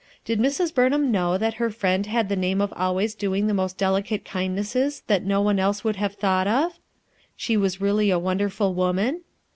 Did Mrs, Burnham know that her friend had the name of always doing the most delicate kindnesses that no one else would have thought of? She was really a wonderful woman?